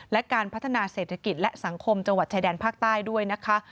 และการพัฒนาเศรษฐกิจและสังคมจังหวัดชายแดนภาคใต้ด้วยนะคะ